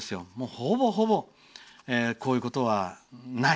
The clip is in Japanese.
ほぼほぼ、こういうことはない。